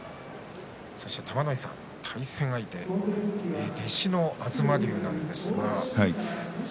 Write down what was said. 玉ノ井さん、対戦相手弟子の東龍ですが。